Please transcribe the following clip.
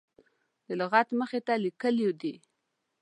د لغت مخې ته لیکلي دي.